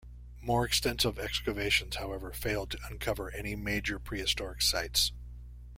More extensive excavations, however, failed to uncover any major prehistoric sites.